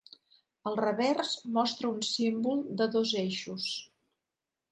El revers mostra un símbol de dos eixos.